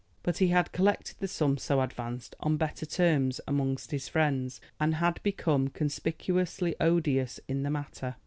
But he had collected the sum so advanced on better terms among his friends, and had become conspicuously odious in the matter.